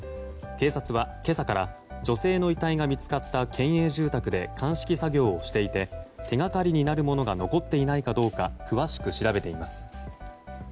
警察は、今朝から女性の遺体が見つかった県営住宅で鑑識作業をしていて手がかりになるものが残っていないか詳しく調べています。